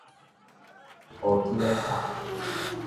烏子仔草